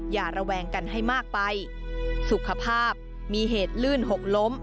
ระแวงกันให้มากไปสุขภาพมีเหตุลื่นหกล้ม